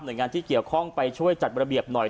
โดยงานที่เกี่ยวข้องไปช่วยจัดระเบียบหน่อย